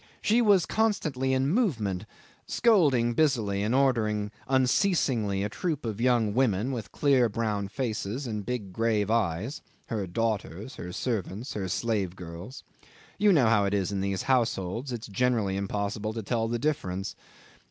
She was constantly in movement, scolding busily and ordering unceasingly a troop of young women with clear brown faces and big grave eyes, her daughters, her servants, her slave girls. You know how it is in these households: it's generally impossible to tell the difference.